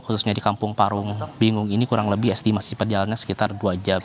khususnya di kampung parung bingung ini kurang lebih estimasi perjalanan sekitar dua jam